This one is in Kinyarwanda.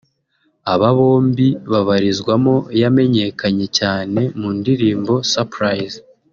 aba bombi babarizwamo yamenyekanye cyane mu ndirimbo ‘Surprise’